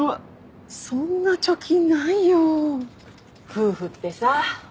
夫婦ってさ。